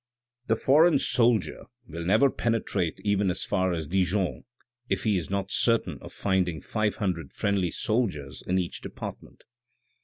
The foreign soldier will never penetrate even as far as Dijon if he is not certain of finding five hundred friendly soldiers in each department.